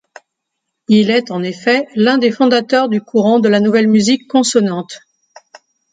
Il est en effet l'un des fondateurs du courant de la nouvelle musique consonante.